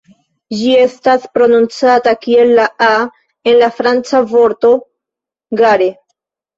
Ĝi estas prononcata kiel la "a" en la franca vorto "gare".